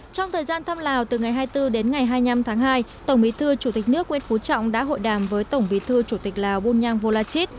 trong thời gian thăm lào từ ngày hai mươi bốn đến ngày hai mươi năm tháng hai tổng bí thư chủ tịch nước nguyễn phú trọng đã hội đàm với tổng bí thư chủ tịch lào bunyang volachit